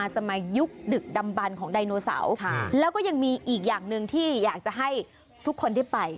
สมัยยุคดึกดำบันของไดโนเสาร์แล้วก็ยังมีอีกอย่างหนึ่งที่อยากจะให้ทุกคนได้ไป